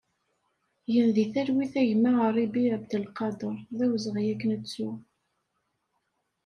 Gen di talwit a gma Aribi Abdelkader, d awezɣi ad k-nettu!